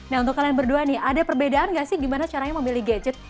nah untuk kalian berdua nih ada perbedaan nggak sih gimana caranya memilih gadget